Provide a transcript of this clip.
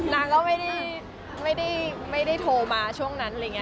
นางก็ไม่ได้โทรมาช่วงนั้น